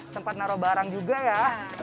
sempat naruh barang juga ya